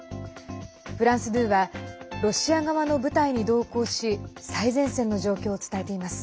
フランス２はロシア側の部隊に同行し最前線の状況を伝えています。